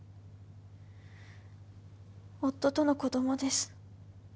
夫との子供です。